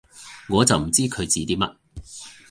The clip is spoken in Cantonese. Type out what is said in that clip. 我就唔知佢指啲乜